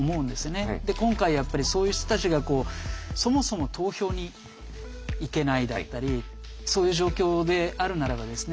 今回やっぱりそういう人たちがこうそもそも投票に行けないだったりそういう状況であるならばですね